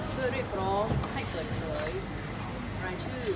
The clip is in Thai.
เพื่อเรียกร้องให้เปิดเผยรายชื่อ